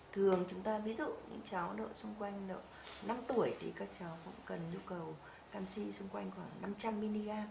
thường chúng ta ví dụ những cháu nợ xung quanh độ năm tuổi thì các cháu cũng cần nhu cầu canxi xung quanh khoảng năm trăm linh mg